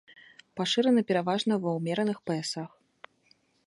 Пашыраны пераважна ва ўмераных паясах.